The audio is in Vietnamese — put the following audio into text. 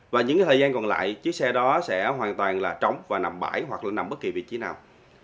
và những thời gian còn lại chiếc xe đó sẽ hoàn toàn là trống và nằm bãi hoặc là nằm bất kỳ vị trí nào